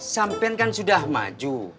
sampen kan sudah maju